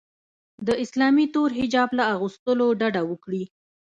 د اسلامي تور حجاب له اغوستلو ډډه وکړي